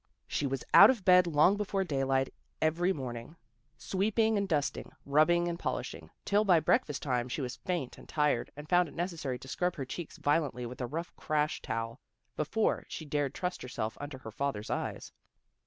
She was out of bed long before daylight every morning, sweeping and dusting, rubbing and polishing, till by breakfast time she was faint and tired, and found it necessary to scrub her cheeks violently with a rough crash towel before she dared trust herself under her father's eyes.